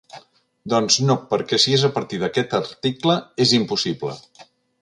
Doncs no, perquè si és a partir d’aquest article, és impossible.